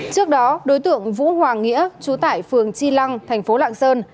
trước đó đối tượng vũ hoàng nghĩa chú tải phường chi lăng thành phố lạng sơn